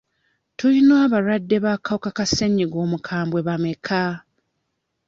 Tuyina abalwadde b'akawuka ka ssenyiga omukambwe bameka?